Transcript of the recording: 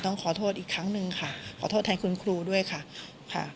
ขอโทษมากเลยค่ะต้องขอโทษอีกครั้งหนึ่งค่ะขอโทษทางคุณครูด้วยค่ะ